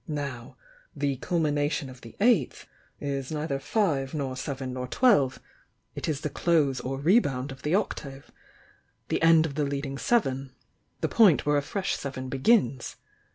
Now 'the culmination of the Eighth' is neither Five nor Seven nor Twelve, — it THE YOUNG DIANA 17.'> is the close or rebound of the Octave — the end of the leading Seven — the point where a fresh Seven begins.